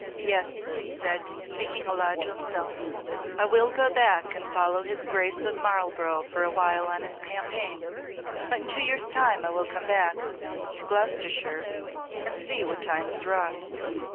"Yes," he said, speaking aloud to himself, "I will go back and follow his Grace of Marlborough for a while on his campaign but in two years' time I will come back to Gloucestershire and see what time has wrought."